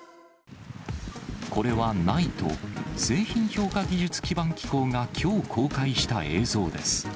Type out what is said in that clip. これはＮＩＴＥ・製品評価技術基盤機構がきょう公開した映像です。